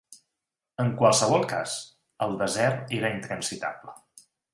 En qualsevol cas, el desert era intransitable.